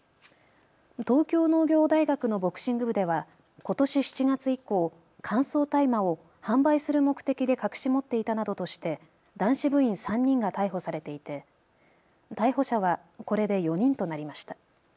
東京農業大学のボクシング部ではことし７月以降、乾燥大麻を販売する目的で隠し持っていたなどとして男子部員３人が逮捕されていて逮捕者はこれで４人となりました。